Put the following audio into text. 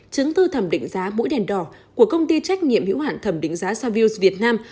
chứng tư thẩm định giá mũi đèn đỏ của công ty trách nhiệm hữu hạn thẩm định giá savills việt nam